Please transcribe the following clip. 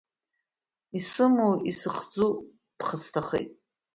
Исымоу, исыхӡу, ԥхасҭахеит.